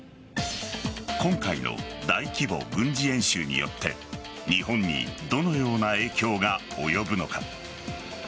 今回の大規模軍事演習によって日本にどのような影響が及ぶのか。